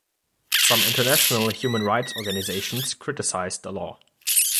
Some international human rights' organisations criticised the law.